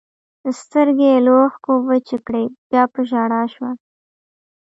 سترګې یې له اوښکو وچې کړې، بیا په ژړا شوه.